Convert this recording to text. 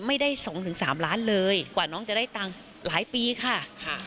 ไม่ได้๒๓ล้านเลยกว่าน้องจะได้ตังค์หลายปีค่ะ